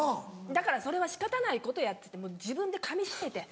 だからそれは仕方ないことやって自分でかみしめて。